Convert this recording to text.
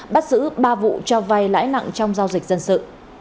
bắt giữ ba vụ cho vay lãi nặng trong giao dịch dân sự